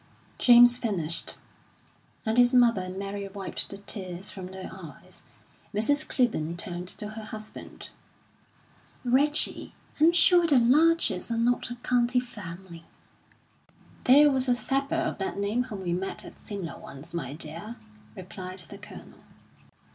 James finished, and his mother and Mary wiped the tears from their eyes. Mrs. Clibborn turned to her husband. "Reggie, I'm sure the Larchers are not a county family." "There was a sapper of that name whom we met at Simla once, my dear," replied the Colonel.